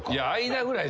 「間ぐらい」